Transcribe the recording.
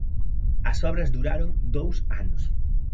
As obras duraron dous anos.